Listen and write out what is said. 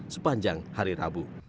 sepanjang hari rabu